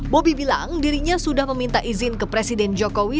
bobi bilang dirinya sudah meminta izin ke presiden jokowi